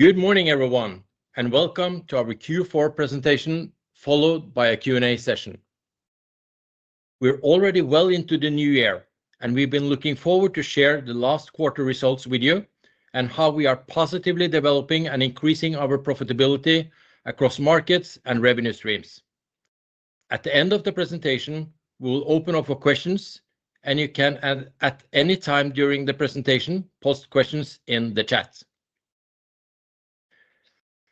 Good morning, everyone, and welcome to our Q4 presentation, followed by a Q&A session. We're already well into the new year, and we've been looking forward to sharing the last quarter results with you and how we are positively developing and increasing our profitability across markets and revenue streams. At the end of the presentation, we'll open up for questions, and you can at any time during the presentation post questions in the chat.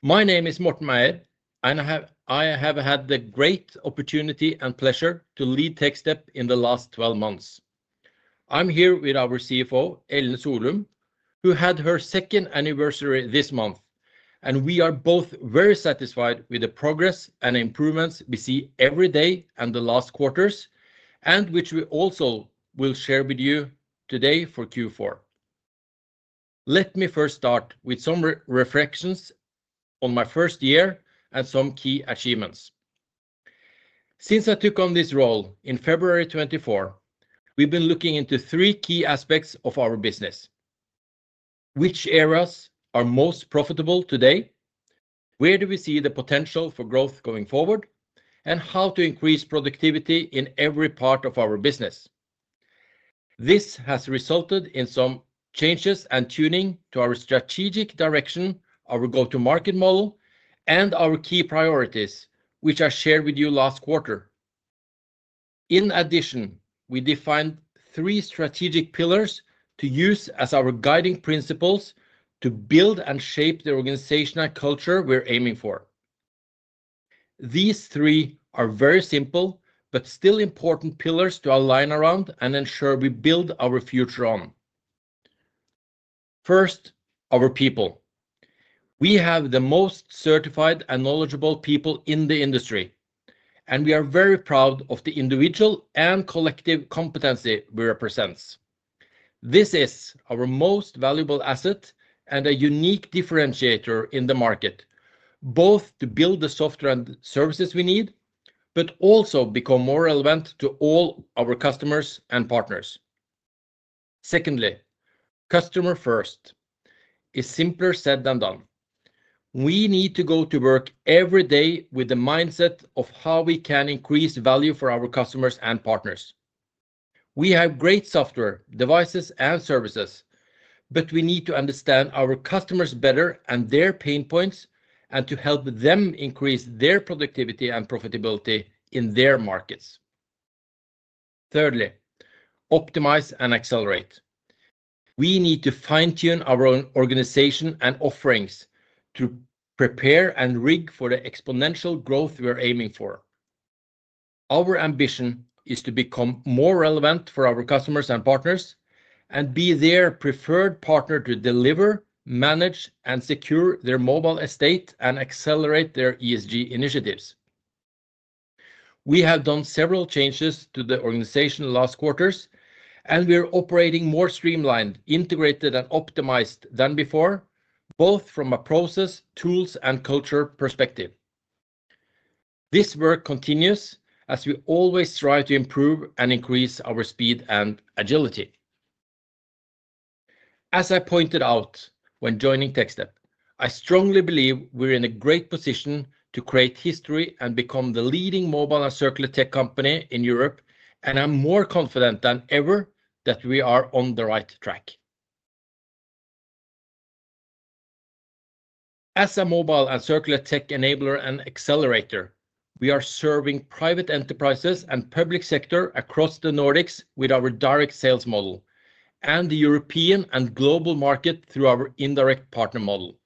My name is Morten Meier, and I have had the great opportunity and pleasure to lead Techstep in the last 12 months. I'm here with our CFO, Ellen Solum, who had her second anniversary this month, and we are both very satisfied with the progress and improvements we see every day and the last quarters, and which we also will share with you today for Q4. Let me first start with some reflections on my first year and some key achievements. Since I took on this role in February 2024, we've been looking into three key aspects of our business: which areas are most profitable today, where do we see the potential for growth going forward, and how to increase productivity in every part of our business. This has resulted in some changes and tuning to our strategic direction, our go-to-market model, and our key priorities, which I shared with you last quarter. In addition, we defined three strategic pillars to use as our guiding principles to build and shape the organizational culture we're aiming for. These three are very simple but still important pillars to align around and ensure we build our future on. First, our people. We have the most certified and knowledgeable people in the industry, and we are very proud of the individual and collective competency we represent. This is our most valuable asset and a unique differentiator in the market, both to build the software and services we need, but also become more relevant to all our customers and partners. Secondly, customer first. It's simpler said than done. We need to go to work every day with the mindset of how we can increase value for our customers and partners. We have great software, devices, and services, but we need to understand our customers better and their pain points and to help them increase their productivity and profitability in their markets. Thirdly, optimize and accelerate. We need to fine-tune our own organization and offerings to prepare and rig for the exponential growth we're aiming for. Our ambition is to become more relevant for our customers and partners and be their preferred partner to deliver, manage, and secure their mobile estate and accelerate their ESG initiatives. We have done several changes to the organization last quarter, and we are operating more streamlined, integrated, and optimized than before, both from a process, tools, and culture perspective. This work continues as we always strive to improve and increase our speed and agility. As I pointed out when joining Techstep, I strongly believe we're in a great position to create history and become the leading mobile and circular tech company in Europe, and I'm more confident than ever that we are on the right track. As a mobile and circular tech enabler and accelerator, we are serving private enterprises and public sector across the Nordics with our direct sales model and the European and global market through our indirect partner model.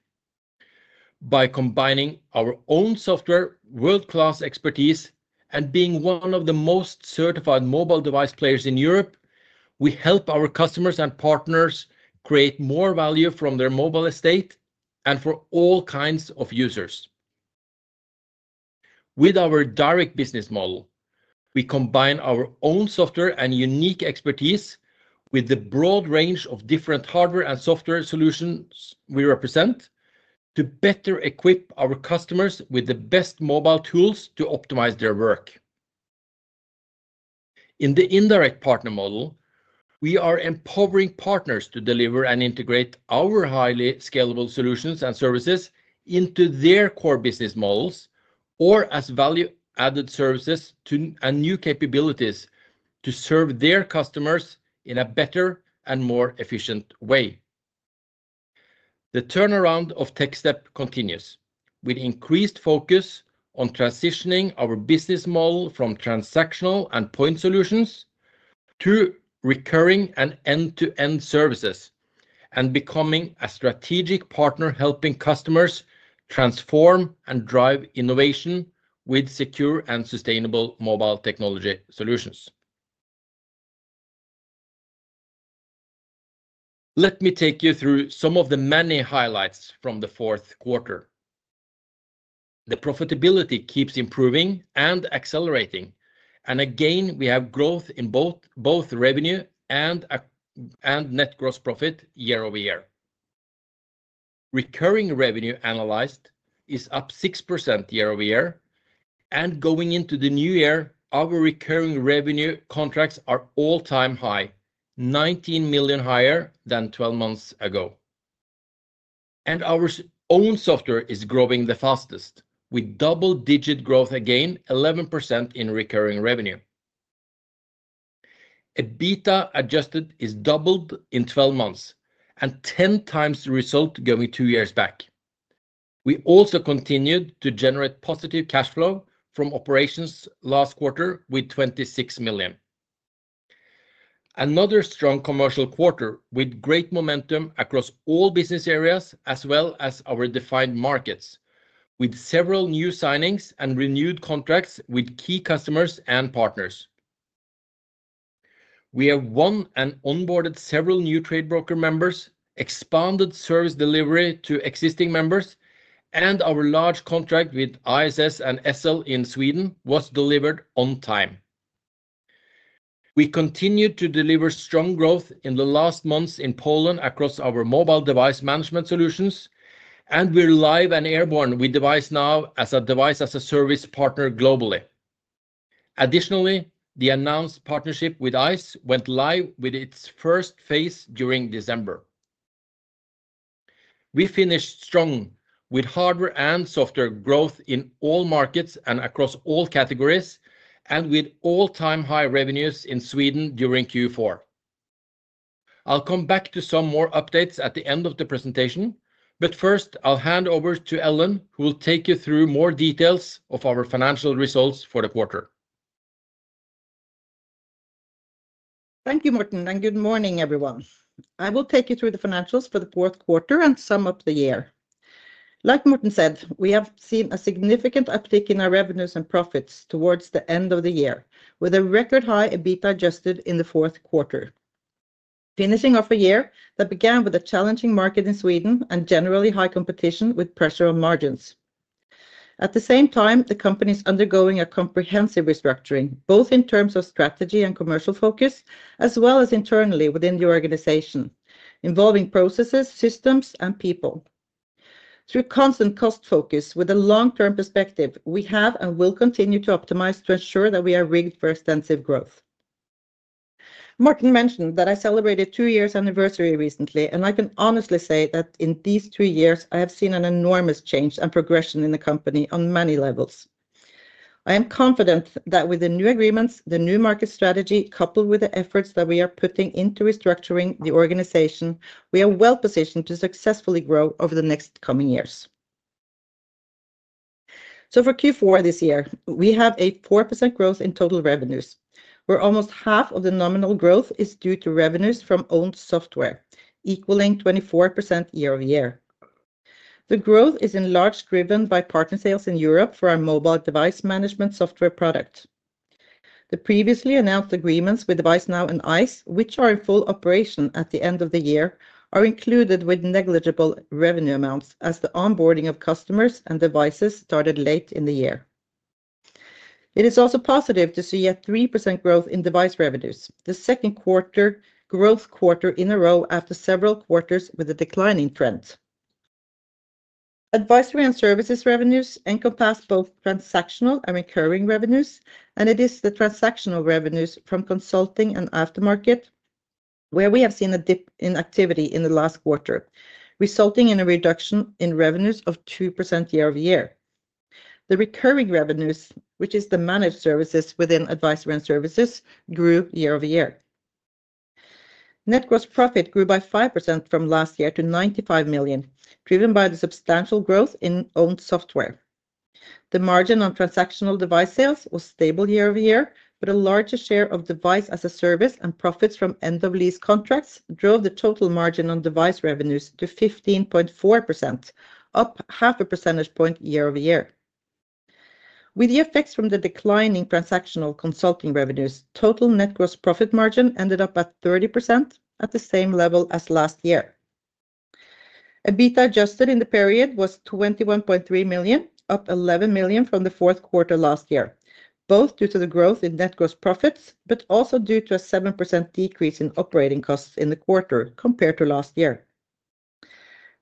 By combining our own software, world-class expertise, and being one of the most certified mobile device players in Europe, we help our customers and partners create more value from their mobile estate and for all kinds of users. With our direct business model, we combine our own software and unique expertise with the broad range of different hardware and software solutions we represent to better equip our customers with the best mobile tools to optimize their work. In the indirect partner model, we are empowering partners to deliver and integrate our highly scalable solutions and services into their core business models or as value-added services and new capabilities to serve their customers in a better and more efficient way. The turnaround of Techstep continues with increased focus on transitioning our business model from transactional and point solutions to recurring and end-to-end services and becoming a strategic partner helping customers transform and drive innovation with secure and sustainable mobile technology solutions. Let me take you through some of the many highlights from the fourth quarter. The profitability keeps improving and accelerating, and again, we have growth in both revenue and net gross profit year-over-year. Recurring revenue analyzed is up 6% year-over-year, and going into the new year, our recurring revenue contracts are all-time high, 19 million higher than 12 months ago. Our own software is growing the fastest with double-digit growth, again, 11% in recurring revenue. EBITDA adjusted is doubled in 12 months and 10 times the result going two years back. We also continued to generate positive cash flow from operations last quarter with 26 million. Another strong commercial quarter with great momentum across all business areas as well as our defined markets with several new signings and renewed contracts with key customers and partners. We have won and onboarded several new Tradebroker members, expanded service delivery to existing members, and our large contract with ISS and SL in Sweden was delivered on time. We continue to deliver strong growth in the last months in Poland across our mobile device management solutions, and we are live and airborne with devicenow as a device-as-a-service partner globally. Additionally, the announced partnership with ice went live with its first phase during December. We finished strong with hardware and software growth in all markets and across all categories and with all-time high revenues in Sweden during Q4. I'll come back to some more updates at the end of the presentation, but first, I'll hand over to Ellen, who will take you through more details of our financial results for the quarter. Thank you, Morten, and good morning, everyone. I will take you through the financials for the Q4 and sum up the year. Like Morten said, we have seen a significant uptick in our revenues and profits towards the end of the year, with a record high EBITDA adjusted in the fourth quarter, finishing off a year that began with a challenging market in Sweden and generally high competition with pressure on margins. At the same time, the company is undergoing a comprehensive restructuring, both in terms of strategy and commercial focus, as well as internally within the organization, involving processes, systems, and people. Through constant cost focus with a long-term perspective, we have and will continue to optimize to ensure that we are rigged for extensive growth. Morten mentioned that I celebrated two years' anniversary recently, and I can honestly say that in these two years, I have seen an enormous change and progression in the company on many levels. I am confident that with the new agreements, the new market strategy, coupled with the efforts that we are putting into restructuring the organization, we are well positioned to successfully grow over the next coming years. For Q4 this year, we have a 4% growth in total revenues, where almost half of the nominal growth is due to revenues from owned software, equaling 24% year-over-year. The growth is in large driven by partner sales in Europe for our mobile device management software product. The previously announced agreements with devicenow and ice, which are in full operation at the end of the year, are included with negligible revenue amounts as the onboarding of customers and devices started late in the year. It is also positive to see a 3% growth in device revenues, the second quarter growth quarter in a row after several quarters with a declining trend. Advisory and services revenues encompass both transactional and recurring revenues, and it is the transactional revenues from consulting and aftermarket where we have seen a dip in activity in the last quarter, resulting in a reduction in revenues of 2% year-over-year. The recurring revenues, which is the managed services within advisory and services, grew year-over-year. Net gross profit grew by 5% from last year to 95 million, driven by the substantial growth in owned software. The margin on transactional device sales was stable year-over-year, but a larger share of device-as-a-service and profits from end-of-lease contracts drove the total margin on device revenues to 15.4%, up half a percentage point year over year. With the effects from the declining transactional consulting revenues, total net gross profit margin ended up at 30%, at the same level as last year. EBITDA adjusted in the period was 21.3 million, up 11 million from the fourth quarter last year, both due to the growth in net gross profits, but also due to a 7% decrease in operating costs in the quarter compared to last year.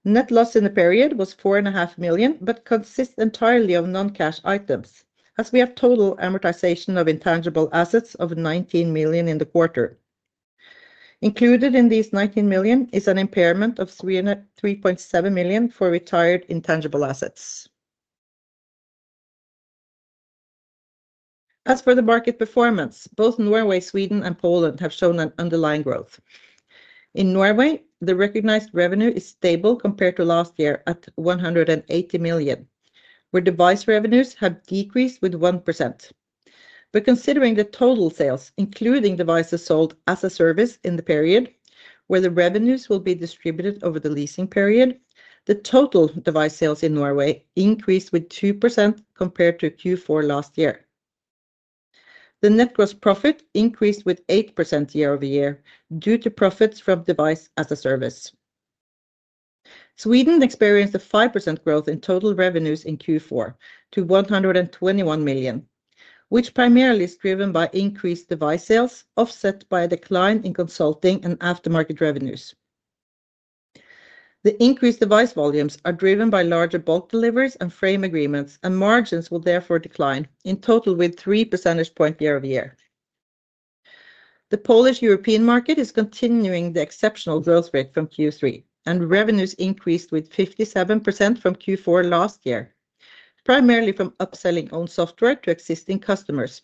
Net loss in the period was 4.5 million, but consists entirely of non-cash items, as we have total amortization of intangible assets of 19 million in the quarter. Included in these 19 million is an impairment of 3.7 million for retired intangible assets. As for the market performance, both Norway, Sweden, and Poland have shown an underlying growth. In Norway, the recognized revenue is stable compared to last year at 180 million, where device revenues have decreased with 1%. Considering the total sales, including devices sold as a service in the period, where the revenues will be distributed over the leasing period, the total device sales in Norway increased with 2% compared to Q4 last year. The net gross profit increased with 8% year-over-year due to profits from device-as-a-service. Sweden experienced a 5% growth in total revenues in Q4 to 121 million, which primarily is driven by increased device sales offset by a decline in consulting and aftermarket revenues. The increased device volumes are driven by larger bulk deliveries and frame agreements, and margins will therefore decline in total with 3 percentage points year-over-year. The Polish European market is continuing the exceptional growth rate from Q3, and revenues increased with 57% from Q4 last year, primarily from upselling owned software to existing customers,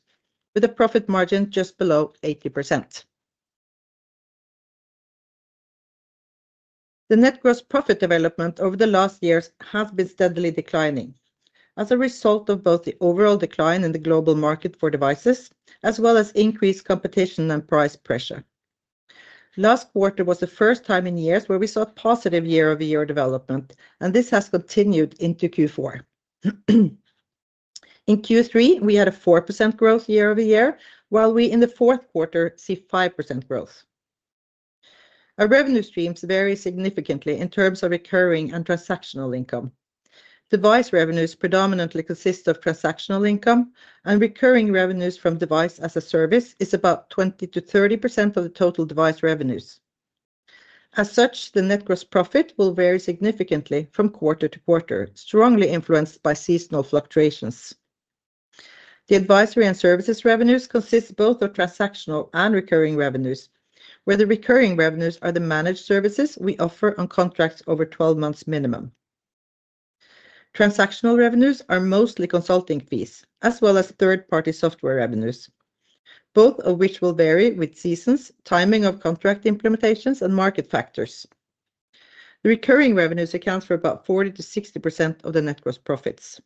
with a profit margin just below 80%. The net gross profit development over the last years has been steadily declining as a result of both the overall decline in the global market for devices, as well as increased competition and price pressure. Last quarter was the first time in years where we saw a positive year-over-year development, and this has continued into Q4. In Q3, we had a 4% growth year-over-year, while we in the fourth quarter see 5% growth. Our revenue streams vary significantly in terms of recurring and transactional income. Device revenues predominantly consist of transactional income, and recurring revenues from device-as-a-service is about 20%-30% of the total device revenues. As such, the net gross profit will vary significantly from quarter to quarter, strongly influenced by seasonal fluctuations. The advisory and services revenues consist both of transactional and recurring revenues, where the recurring revenues are the managed services we offer on contracts over 12 months minimum. Transactional revenues are mostly consulting fees, as well as third-party software revenues, both of which will vary with seasons, timing of contract implementations, and market factors. The recurring revenues account for about 40%-60% of the net gross profits.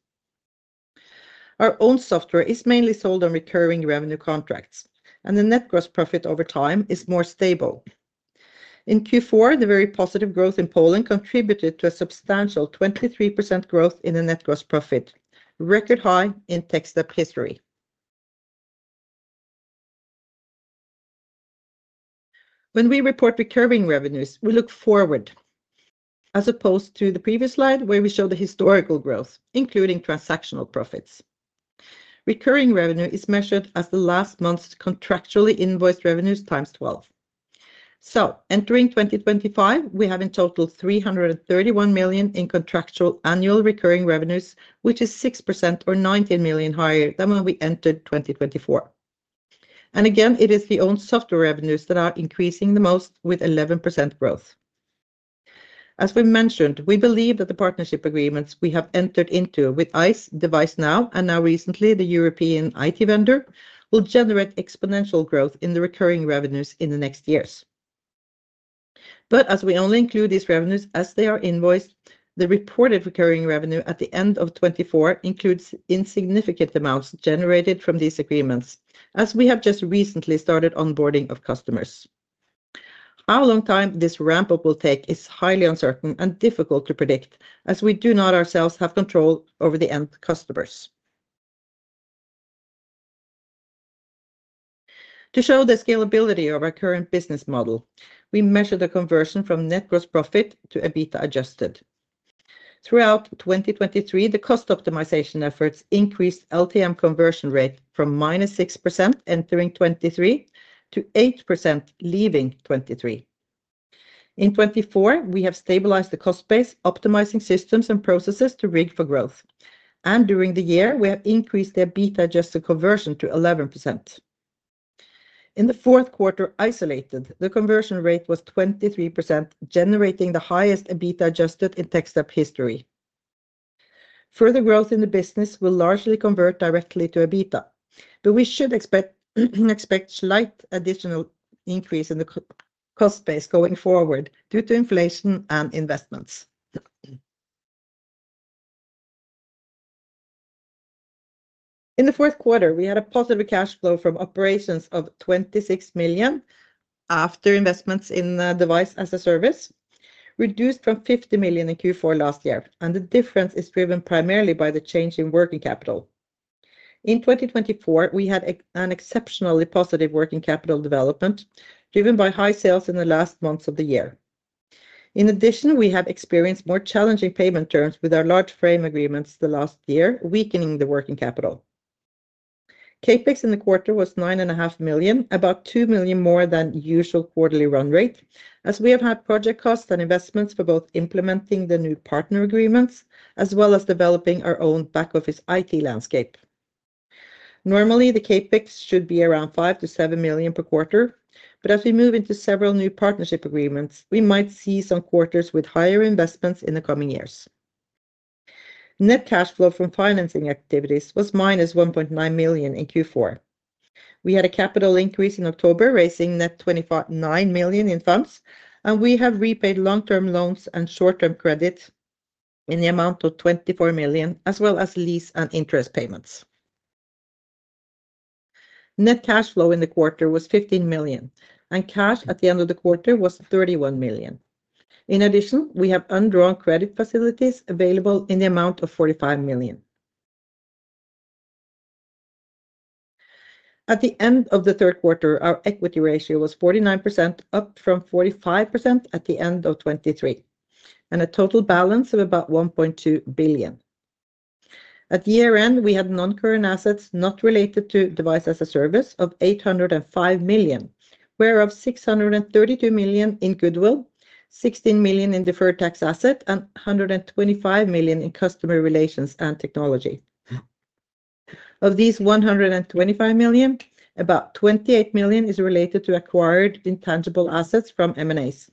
Our owned software is mainly sold on recurring revenue contracts, and the net gross profit over time is more stable. In Q4, the very positive growth in Poland contributed to a substantial 23% growth in the net gross profit, record high in Techstep history. When we report recurring revenues, we look forward, as opposed to the previous slide where we show the historical growth, including transactional profits. Recurring revenue is measured as the last month's contractually invoiced revenues times 12. Entering 2025, we have in total 331 million in contractual annual recurring revenues, which is 6% or 19 million higher than when we entered 2024. Again, it is the owned software revenues that are increasing the most with 11% growth. As we mentioned, we believe that the partnership agreements we have entered into with ice, devicenow, and now recently the European IT vendor will generate exponential growth in the recurring revenues in the next years. As we only include these revenues as they are invoiced, the reported recurring revenue at the end of 2024 includes insignificant amounts generated from these agreements, as we have just recently started onboarding of customers. How long time this ramp-up will take is highly uncertain and difficult to predict, as we do not ourselves have control over the end customers. To show the scalability of our current business model, we measure the conversion from net gross profit to EBITDA adjusted. Throughout 2023, the cost optimization efforts increased LTM conversion rate from -6% entering 2023 to 8% leaving 2023. In 2024, we have stabilized the cost base, optimizing systems and processes to rig for growth, and during the year, we have increased the EBITDA adjusted conversion to 11%. In the fourth quarter isolated, the conversion rate was 23%, generating the highest EBITDA adjusted in Techstep history. Further growth in the business will largely convert directly to EBITDA, but we should expect slight additional increase in the cost base going forward due to inflation and investments. In the fourth quarter, we had a positive cash flow from operations of 26 million after investments in device-as-a-service, reduced from 50 million in Q4 last year, and the difference is driven primarily by the change in working capital. In 2024, we had an exceptionally positive working capital development driven by high sales in the last months of the year. In addition, we have experienced more challenging payment terms with our large frame agreements the last year, weakening the working capital. CapEx in the quarter was 9.5 million, about 2 million more than the usual quarterly run rate, as we have had project costs and investments for both implementing the new partner agreements as well as developing our own back office IT landscape. Normally, the CapEx should be around 5 million - 7 million per quarter, but as we move into several new partnership agreements, we might see some quarters with higher investments in the coming years. Net cash flow from financing activities was -1.9 million in Q4. We had a capital increase in October raising net 29 million in funds, and we have repaid long-term loans and short-term credit in the amount of 24 million, as well as lease and interest payments. Net cash flow in the quarter was 15 million, and cash at the end of the quarter was 31 million. In addition, we have undrawn credit facilities available in the amount of 45 million. At the end of the third quarter, our equity ratio was 49%, up from 45% at the end of 2023, and a total balance of about 1.2 billion. At year end, we had non-current assets not related to device-as-a-service of 805 million, whereof 632 million in goodwill, 16 million in deferred tax asset, and 125 million in customer relations and technology. Of these 125 million, about 28 million is related to acquired intangible assets from M&As,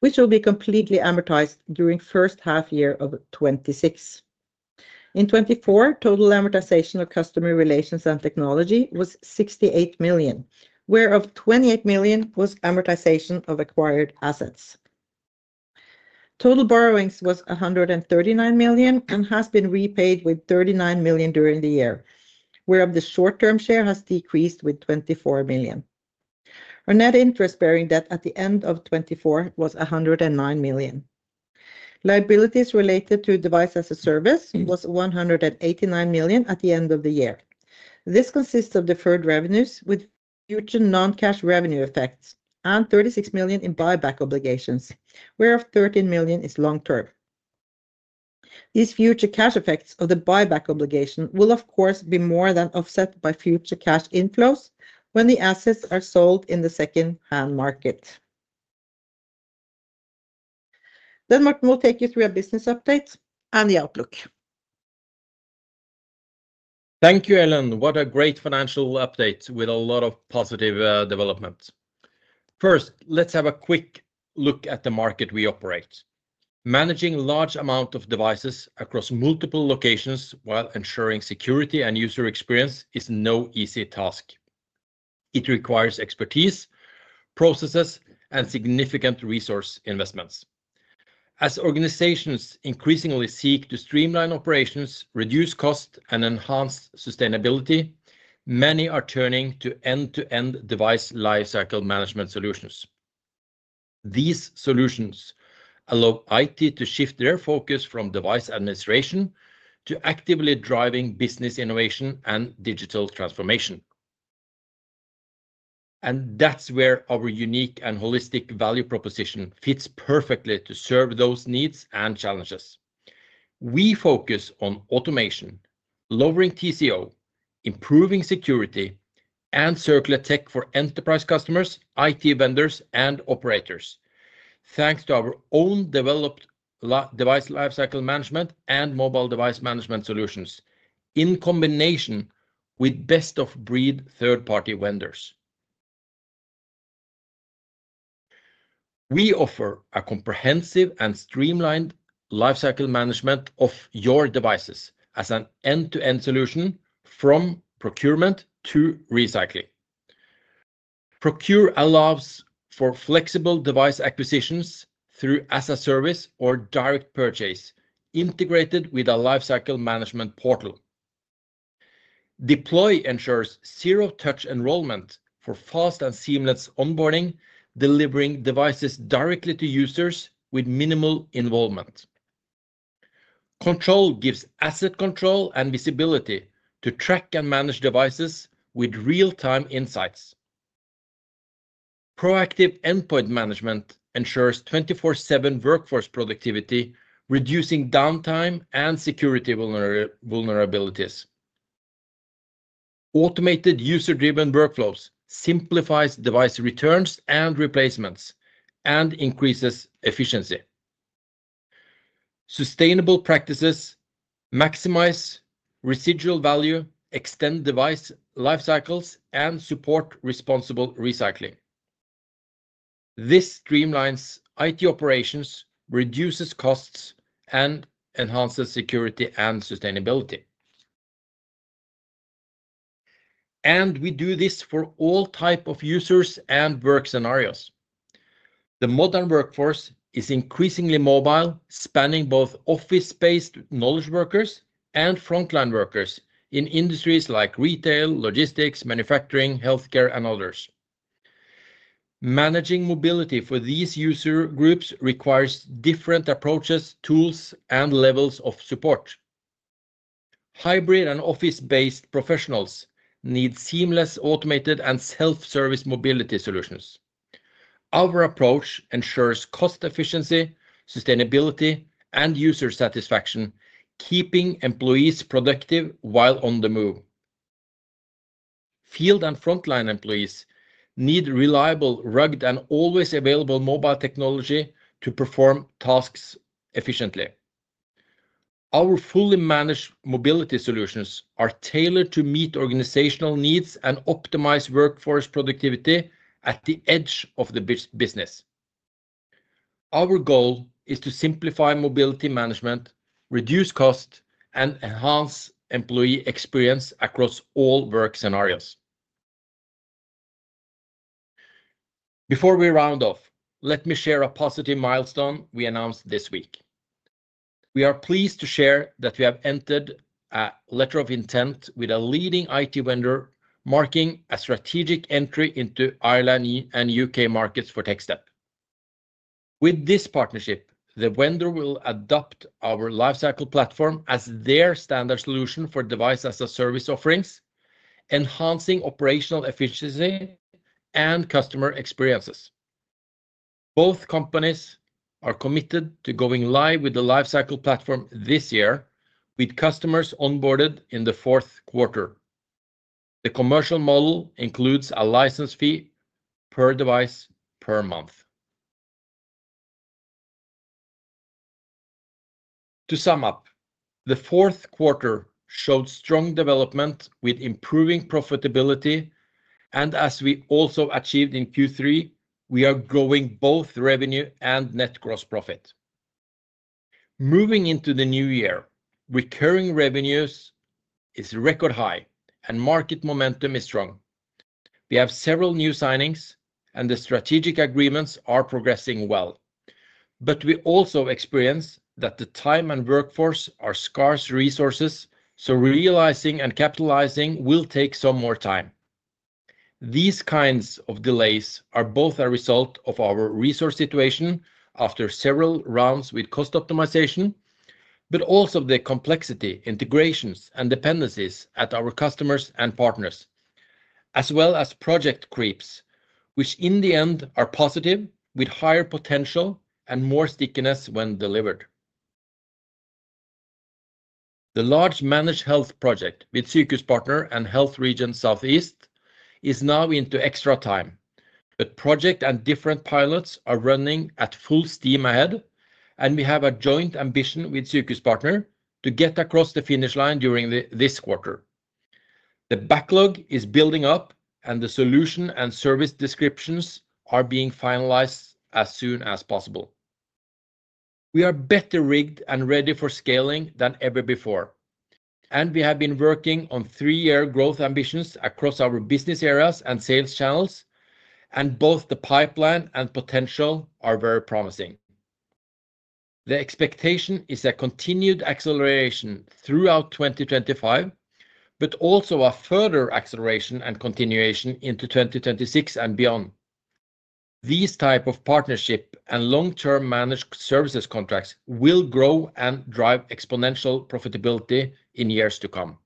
which will be completely amortized during the first half year of 2026. In 2024, total amortization of customer relations and technology was 68 million, whereof 28 million was amortization of acquired assets. Total borrowings was 139 million and has been repaid with 39 million during the year, whereof the short-term share has decreased with 24 million. Our net interest-bearing debt at the end of 2024 was 109 million. Liabilities related to device-as-a-service was 189 million at the end of the year. This consists of deferred revenues with future non-cash revenue effects and 36 million in buyback obligations, whereof 13 million is long-term. These future cash effects of the buyback obligation will, of course, be more than offset by future cash inflows when the assets are sold in the second-hand market. Morten will take you through our business updates and the outlook. Thank you, Ellen. What a great financial update with a lot of positive developments. First, let's have a quick look at the market we operate. Managing large amounts of devices across multiple locations while ensuring security and user experience is no easy task. It requires expertise, processes, and significant resource investments. As organizations increasingly seek to streamline operations, reduce costs, and enhance sustainability, many are turning to end-to-end device lifecycle management solutions. These solutions allow IT to shift their focus from device administration to actively driving business innovation and digital transformation. That is where our unique and holistic value proposition fits perfectly to serve those needs and challenges. We focus on automation, lowering TCO, improving security, and circular tech for enterprise customers, IT vendors, and operators, thanks to our own developed device lifecycle management and mobile device management solutions in combination with best-of-breed third-party vendors. We offer a comprehensive and streamlined lifecycle management of your devices as an end-to-end solution from procurement to recycling. Procure allows for flexible device acquisitions through as-a-service or direct purchase integrated with a lifecycle management portal. Deploy ensures zero-touch enrollment for fast and seamless onboarding, delivering devices directly to users with minimal involvement. Control gives asset control and visibility to track and manage devices with real-time insights. Proactive endpoint management ensures 24/7 workforce productivity, reducing downtime and security vulnerabilities. Automated user-driven workflows simplify device returns and replacements and increase efficiency. Sustainable practices maximize residual value, extend device lifecycles, and support responsible recycling. This streamlines IT operations, reduces costs, and enhances security and sustainability. We do this for all types of users and work scenarios. The modern workforce is increasingly mobile, spanning both office-based knowledge workers and frontline workers in industries like retail, logistics, manufacturing, healthcare, and others. Managing mobility for these user groups requires different approaches, tools, and levels of support. Hybrid and office-based professionals need seamless, automated, and self-service mobility solutions. Our approach ensures cost efficiency, sustainability, and user satisfaction, keeping employees productive while on the move. Field and frontline employees need reliable, rugged, and always available mobile technology to perform tasks efficiently. Our fully managed mobility solutions are tailored to meet organizational needs and optimize workforce productivity at the edge of the business. Our goal is to simplify mobility management, reduce costs, and enhance employee experience across all work scenarios. Before we round off, let me share a positive milestone we announced this week. We are pleased to share that we have entered a letter of intent with a leading IT vendor marking a strategic entry into Ireland and U.K. markets for Techstep. With this partnership, the vendor will adopt our Lifecycle platform as their standard solution for device-as-a-service offerings, enhancing operational efficiency and customer experiences. Both companies are committed to going live with the Lifecycle platform this year, with customers onboarded in the fourth quarter. The commercial model includes a license fee per device per month. To sum up, the fourth quarter showed strong development with improving profitability, and as we also achieved in Q3, we are growing both revenue and net gross profit. Moving into the new year, recurring revenues is record high, and market momentum is strong. We have several new signings, and the strategic agreements are progressing well. We also experience that the time and workforce are scarce resources, so realizing and capitalizing will take some more time. These kinds of delays are both a result of our resource situation after several rounds with cost optimization, but also the complexity, integrations, and dependencies at our customers and partners, as well as project creeps, which in the end are positive with higher potential and more stickiness when delivered. The large managed health project with Sykehuspartner and Health Region Southeast is now into extra time, but project and different pilots are running at full steam ahead, and we have a joint ambition with Sykehuspartner to get across the finish line during this quarter. The backlog is building up, and the solution and service descriptions are being finalized as soon as possible. We are better rigged and ready for scaling than ever before, and we have been working on three-year growth ambitions across our business areas and sales channels, and both the pipeline and potential are very promising. The expectation is a continued acceleration throughout 2025, but also a further acceleration and continuation into 2026 and beyond. These types of partnerships and long-term managed services contracts will grow and drive exponential profitability in years to come.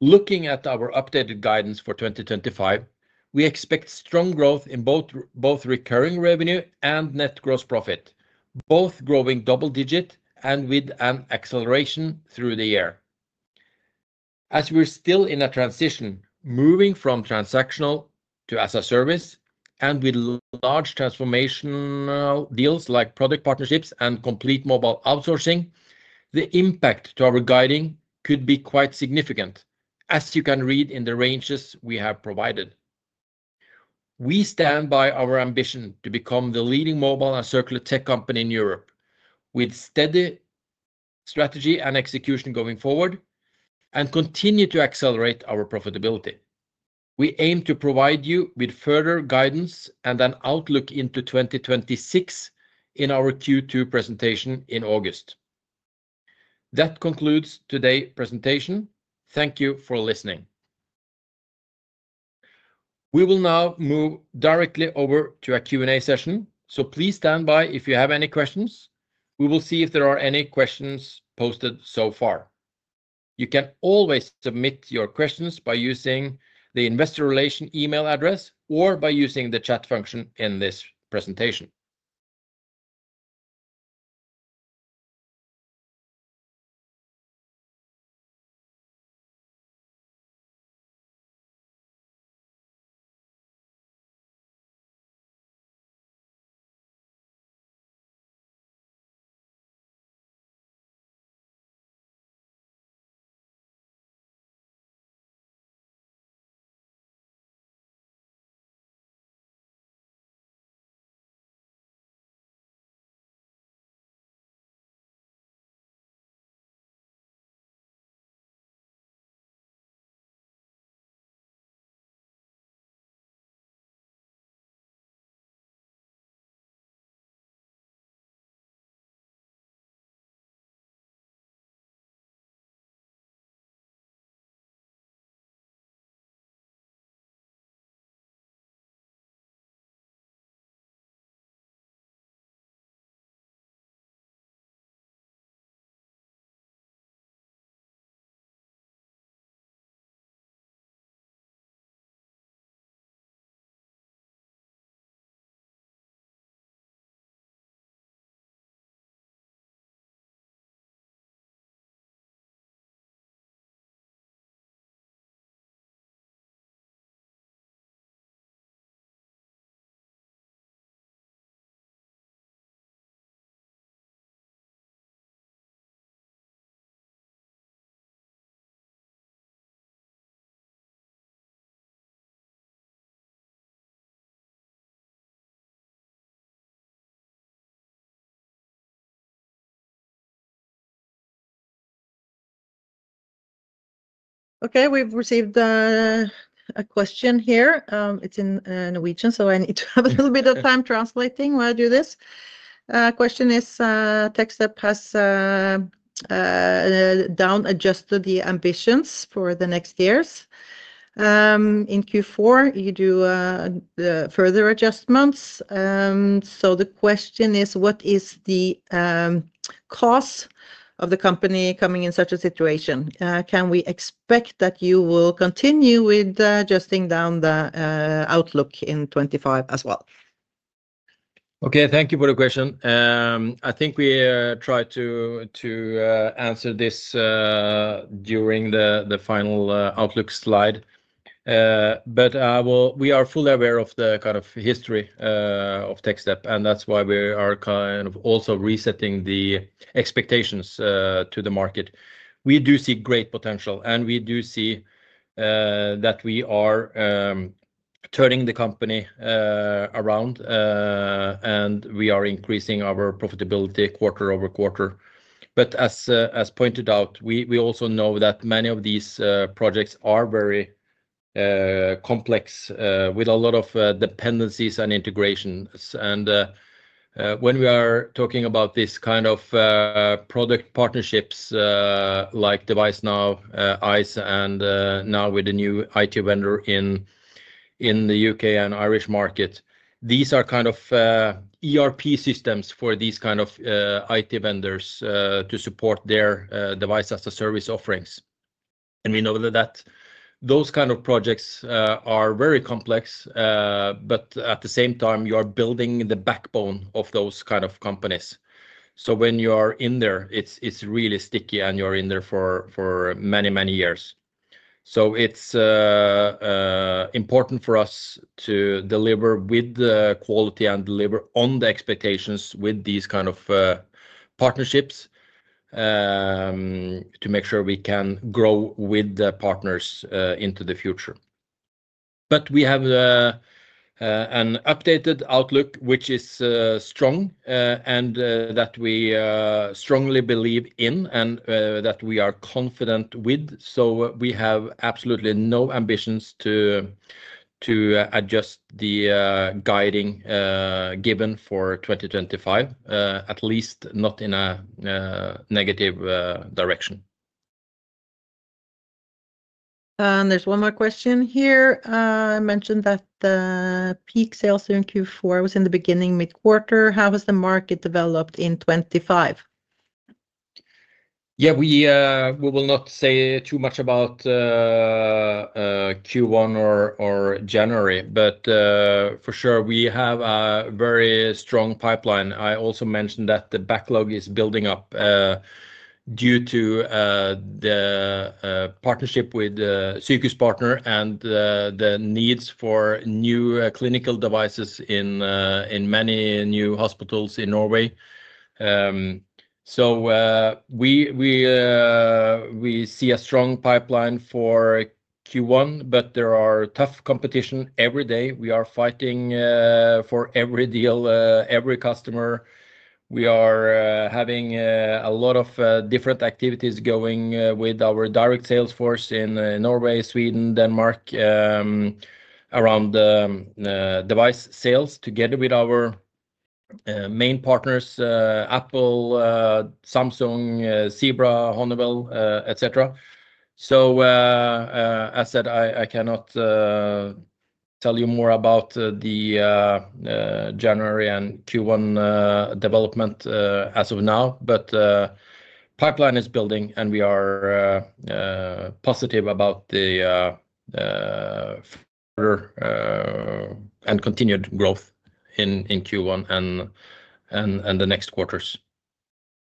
Looking at our updated guidance for 2025, we expect strong growth in both recurring revenue and net gross profit, both growing double-digit and with an acceleration through the year. As we're still in a transition, moving from transactional to as-a-service, and with large transformation deals like product partnerships and complete mobile outsourcing, the impact to our guiding could be quite significant, as you can read in the ranges we have provided. We stand by our ambition to become the leading mobile and circular tech company in Europe, with steady strategy and execution going forward, and continue to accelerate our profitability. We aim to provide you with further guidance and an outlook into 2026 in our Q2 presentation in August. That concludes today's presentation. Thank you for listening. We will now move directly over to a Q&A session, so please stand by if you have any questions. We will see if there are any questions posted so far. You can always submit your questions by using the investor relation email address or by using the chat function in this presentation. Okay, we've received a question here. It's in Norwegian, so I need to have a little bit of time translating while I do this. The question is: Techstep has down-adjusted the ambitions for the next years. In Q4, you do further adjustments. The question is: what is the cost of the company coming in such a situation? Can we expect that you will continue with adjusting down the outlook in 2025 as well? Okay, thank you for the question. I think we tried to answer this during the final outlook slide, but we are fully aware of the kind of history of Techstep, and that's why we are kind of also resetting the expectations to the market. We do see great potential, and we do see that we are turning the company around, and we are increasing our profitability quarter-over-quarter. As pointed out, we also know that many of these projects are very complex with a lot of dependencies and integrations. When we are talking about this kind of product partnerships like devicenow, ice, and now with the new IT vendor in the U.K. and Irish market, these are kind of ERP systems for these kinds of IT vendors to support their device-as-a-service offerings. We know that those kinds of projects are very complex, but at the same time, you are building the backbone of those kinds of companies. When you are in there, it's really sticky, and you're in there for many, many years. It is important for us to deliver with quality and deliver on the expectations with these kinds of partnerships to make sure we can grow with the partners into the future. We have an updated outlook, which is strong and that we strongly believe in and that we are confident with. We have absolutely no ambitions to adjust the guiding given for 2025, at least not in a negative direction. There is one more question here. I mentioned that the peak sales in Q4 was in the beginning mid-quarter. How has the market developed in 2025? Yeah, we will not say too much about Q1 or January, but for sure, we have a very strong pipeline. I also mentioned that the backlog is building up due to the partnership with Sykehuspartner and the needs for new clinical devices in many new hospitals in Norway. We see a strong pipeline for Q1, but there is tough competition every day. We are fighting for every deal, every customer. We are having a lot of different activities going with our direct sales force in Norway, Sweden, Denmark, around device sales together with our main partners: Apple, Samsung, Zebra, Honor, etc. As I said, I cannot tell you more about the January and Q1 development as of now, but the pipeline is building, and we are positive about the further and continued growth in Q1 and the next quarters.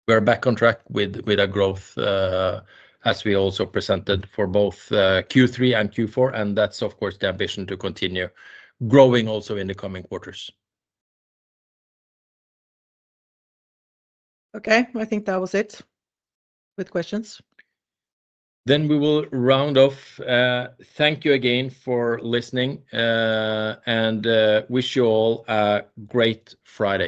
We are back on track with our growth, as we also presented for both Q3 and Q4, and that's, of course, the ambition to continue growing also in the coming quarters. I think that was it with questions. We will round off. Thank you again for listening, and wish you all a great Friday.